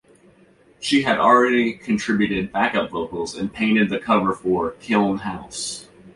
She had already contributed backup vocals and painted the cover for "Kiln House".